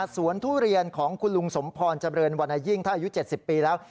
สวนทุเรียนของคุณลุงสมพรเจริญวรรณยิ่งถ้าอายุ๗๐ปีแล้ว